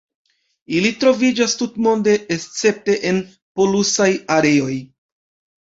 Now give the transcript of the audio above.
Ili troviĝas tutmonde escepte en polusaj areoj.